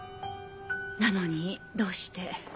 なのにどうして。